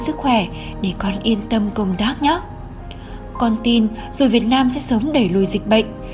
sức khỏe để con yên tâm công tác nhắc con tin rồi việt nam sẽ sớm đẩy lùi dịch bệnh